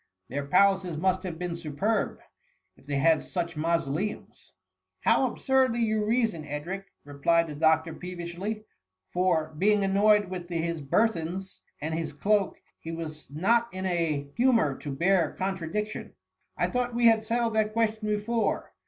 " Their palaces must have been superb^ if they had such mausoleums*"" THE MUMMY. 205 " How absurdly you reason, Edric r replied the doctor peevishly ; for, being annoyed with his burthens and his cloak, he was not in a hu mour to bear contradiction. " I thought we had settled that question before.